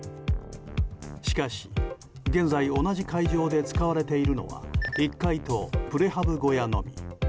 しかし、現在同じ会場で使われているのは１階とプレハブ小屋のみ。